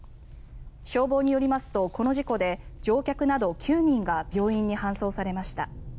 消防によりますとこの事故で乗客など９人が病院に搬送されました。